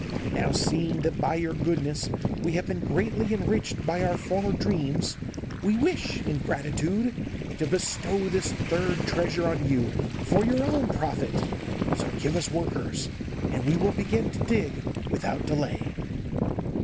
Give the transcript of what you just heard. Now, seeing that by your goodness we have been greatly enriched by our former dreams, we wish, in gratitude, to bestow this third treasure on you for your own profit; so give us workers, and we will begin to dig without delay.